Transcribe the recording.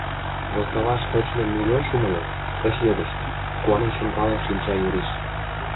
Возкалаш тӧчымем нигӧ ыш умыло, ыш йодышт, — куанен шонкален шинча Юриш.